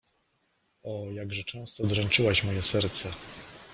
O, jakże często dręczyłaś moje serce!